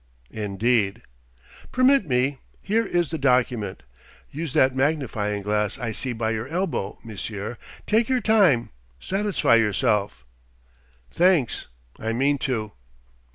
"Indeed...." "Permit me: here is the document. Use that magnifying glass I see by your elbow, monsieur; take your time, satisfy yourself." "Thanks; I mean to."